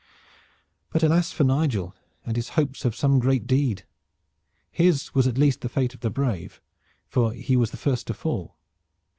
But alas for Nigel and his hopes of some great deed! His was at least the fate of the brave, for he was the first to fall.